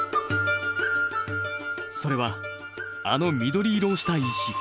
それはあの緑色をした石。